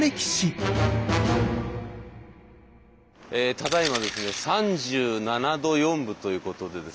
ただいまですね３７度４分ということでですね